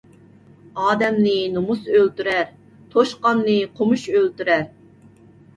ئادەمنى نومۇس ئۆلتۈرەر، توشقاننى قومۇش ئۆلتۈرەر.